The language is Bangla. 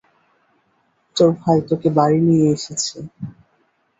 তোর ভাই তোকে বাড়ি নিয়ে এসেছে।